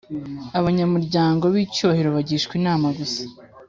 Abanyamuryango b icyubahiro bagishwa inama gusa